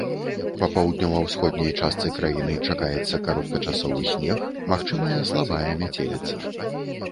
Па паўднёва-ўсходняй частцы краіны чакаецца кароткачасовы снег, магчымая слабая мяцеліца.